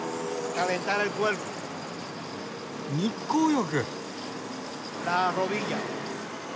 日光浴。